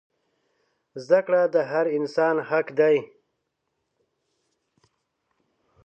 زده کړه د هر انسان حق دی.